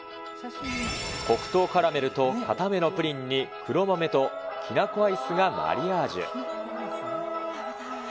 黒糖カラメルと固めのプリンに、黒豆ときな粉アイスがマリアージュ。